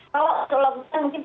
kalau lockdown mungkin